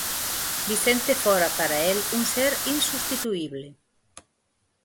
Vicente fora para el un ser insubstituíble.